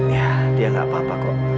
ya dia gak apa apa kok